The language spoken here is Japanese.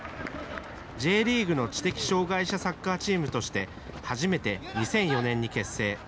Ｊリーグの知的障害者サッカーチームとして、初めて２００４年に結成。